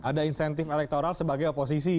ada insentif elektoral sebagai oposisi